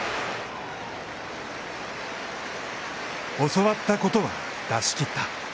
教わったことは出し切った。